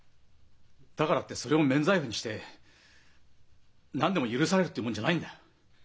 だからってそれを免罪符にして何でも許されるってもんじゃないんだ。